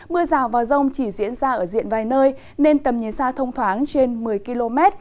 mưa rào và rông chỉ diễn ra ở diện vài nơi nên tầm nhìn xa thông thoáng trên một mươi km